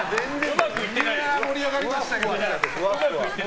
盛り上がりましたけど。